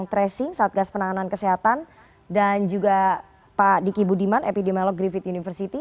tracing satgas penanganan kesehatan dan juga pak diki budiman epidemiolog griffith university